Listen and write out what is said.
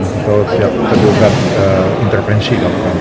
kalau tidak kita juga intervensi